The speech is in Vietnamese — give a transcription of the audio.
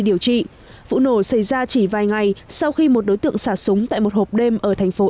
điều trị vụ nổ xảy ra chỉ vài ngày sau khi một đối tượng xả súng tại một hộp đêm ở thành phố